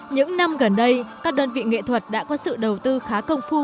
những năm gần đây các đơn vị nghệ thuật đã có sự đầu tư khá công phu